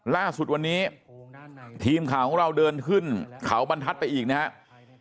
ล่าสุดวันนี้ทีมข่าวของเราเดินขึ้นเขาบรรทัศน์ไปอีกนะครับ